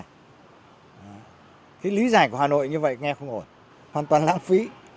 cái lý giải của hà nội như vậy nghe không ổn hoàn toàn lãng phí